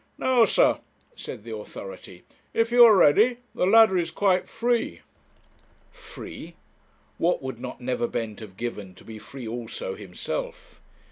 'Now, Sir,' said the authority, 'if you are ready, the ladder is quite free.' Free! What would not Neverbend have given to be free also himself!